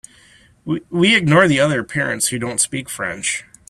We ignore the other parents who don’t speak French.